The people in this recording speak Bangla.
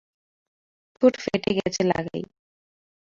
ঠোঁট ফেটে গেছে লাগাই।